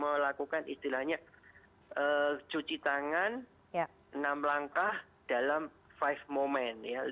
melakukan istilahnya cuci tangan enam langkah dalam lima momen